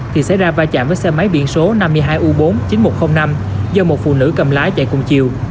thì xảy ra va chạm với xe máy biển số năm mươi hai u bốn chín nghìn một trăm linh năm do một phụ nữ cầm lái chạy cùng chiều